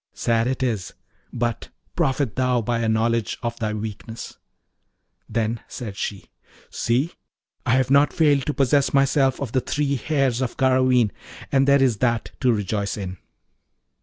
Sad is it! but profit thou by a knowledge of thy weakness.' Then said she, 'See, I have not failed to possess myself of the three hairs of Garraveen, and there is that to rejoice in.'